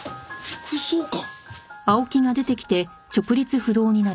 副総監！？